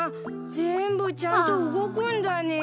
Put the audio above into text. ぜんぶちゃんと動くんだね。